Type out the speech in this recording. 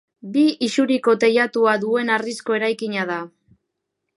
Bi isuriko teilatua duen harrizko eraikina da.